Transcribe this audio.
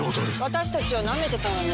私たちをなめてたわね。